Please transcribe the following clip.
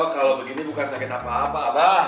kalau begini bukan sakit apa apa abah